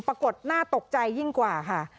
ปรากฏน่าตกใจยิ่งกว่าค่ะ